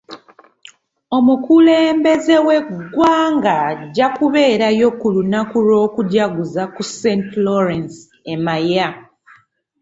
Omukulembeze w'eggwanga ajja kubeerayo ku lunaku lw'okujaguza ku St. Lawrence e Maya.